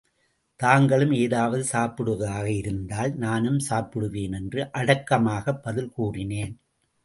தாங்களும் ஏதாவது சாப்பிடுவதாக இருந்தால் நானும் சாப்பிடுவேன் என்று அடக்கமாகப் பதில் கூறினேன்.